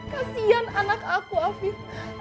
kasian anak aku afif